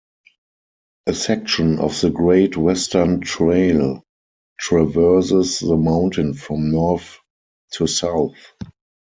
A section of the Great Western Trail traverses the mountain from north to south.